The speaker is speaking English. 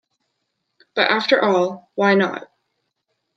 But after all — why not?